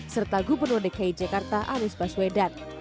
serta gubernur dki jakarta anies baswedan